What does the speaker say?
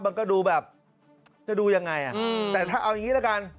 มันก็ดูแบบจะดูยังไงแต่ถ้าเอาอย่างนี้ละกัน